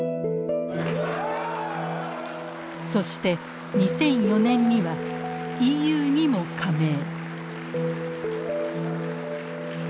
そして２００４年にはＥＵにも加盟。